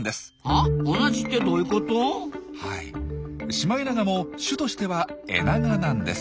シマエナガも種としてはエナガなんです。